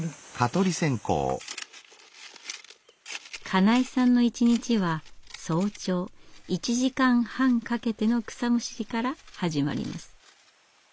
金井さんの一日は早朝１時間半かけての草むしりから始まります。